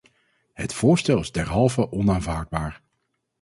Het voorstel is derhalve onaanvaardbaar.